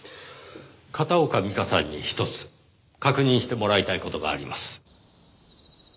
片岡美加さんにひとつ確認してもらいたい事があります。